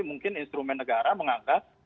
mungkin instrumen negara menganggap